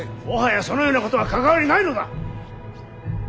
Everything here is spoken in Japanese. もはやそのようなことは関わりないのだ！